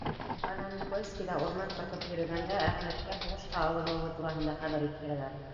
Кананикольскиҙа урман ҡырҡып йөрөгәндә, Әхмәткә һуғышҡа алыныуы тураһында хәбәр еткерәләр.